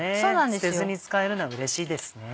捨てずに使えるのはうれしいですね。